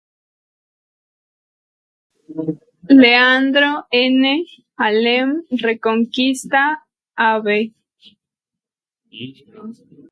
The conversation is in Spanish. Leandro N. Alem, Reconquista, Av.